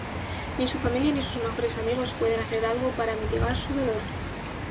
Ni su familia ni sus mejores amigos pueden hacer algo para mitigar su dolor.